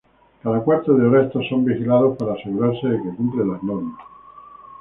Cada cuarto de hora estos son vigilados para asegurarse de que cumplen las normas.